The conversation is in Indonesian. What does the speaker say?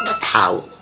kok abah tahu